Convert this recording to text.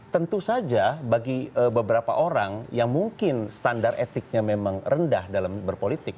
tentu saja bagi beberapa orang yang mungkin standar etiknya memang rendah dalam berpolitik